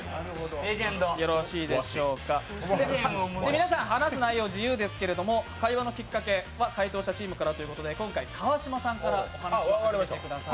皆さん話す内容は自由ですけれども会話のきっかけ、まずは回答者チームからということで今回、川島さんからお話を聞いてください。